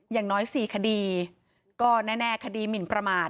อย่างน้อย๔คดีก็แน่คดีหมินประมาท